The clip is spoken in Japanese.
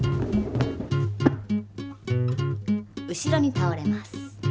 後ろにたおれます。